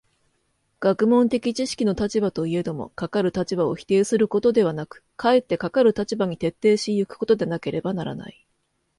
学問的知識の立場といえども、かかる立場を否定することではなく、かえってかかる立場に徹底し行くことでなければならない。